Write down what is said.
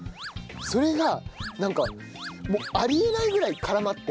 それがなんかあり得ないぐらい絡まって俺。